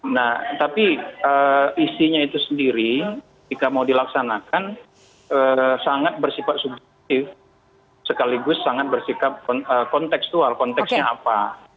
nah tapi isinya itu sendiri jika mau dilaksanakan sangat bersifat subjektif sekaligus sangat bersikap konteksual konteksnya apa